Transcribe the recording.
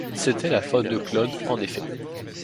C'était la faute de Claude en effet!